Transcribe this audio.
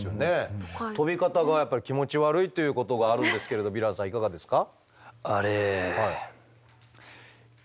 飛び方がやっぱり気持ち悪いということがあるんですけれどヴィランさんいかがですか？